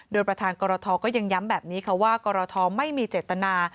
โดยประธานกรทก็ยังย้ำแบบนี้ค่ะว่ากรทไม่มีเจตนา